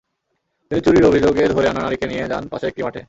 তিনি চুরির অভিযোগে ধরে আনা নারীকে নিয়ে যান পাশের একটি মাঠে।